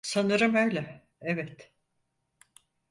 Sanırım öyle, evet.